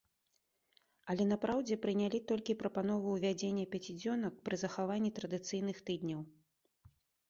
Але на праўдзе прынялі толькі прапанову ўвядзення пяцідзёнак пры захаванні традыцыйных тыдняў.